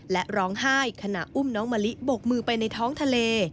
และร้องไห้ขณะอุ้มน้องมะลิบกมือไปในท้องทะเล